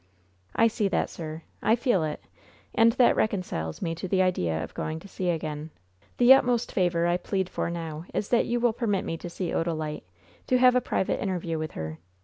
"I see that, sir; I feel it; and that reconciles me to the idea of going to sea again. The utmost favor I plead for now is that you will permit me to see Odalite, to have a private interview with her.